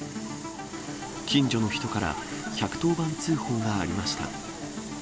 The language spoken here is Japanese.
近所の人から、１１０番通報がありました。